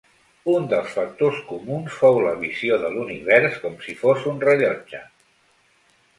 Un dels factors comuns fou la visió de l'univers com si fos un rellotge.